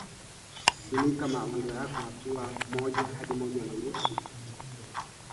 Kila siku kutoka Washington, kikirudiwa na kuongezewa habari mpya, mara moja kwa siku.